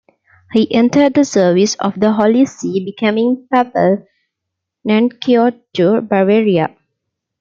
He entered the service of the Holy See, becoming papal nuncio to Bavaria.